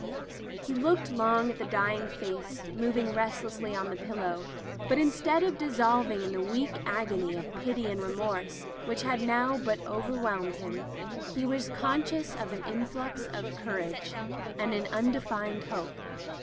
He looked long at the dying face moving restlessly on the pillow, but instead of dissolving in the weak agony of pity and remorse which had but now overwhelmed him, he was conscious of an influx of cour age and of an undefined hope.